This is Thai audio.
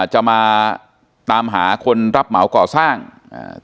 จะมาตามหาคนรับเหมาก่อสร้างอ่า